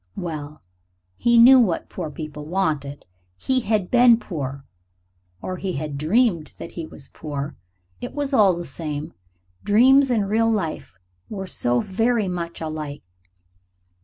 Well, he knew what poor people wanted; he had been poor or he had dreamed that he was poor it was all the same. Dreams and real life were so very much alike.